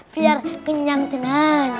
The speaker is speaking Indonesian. biar kenyang tenang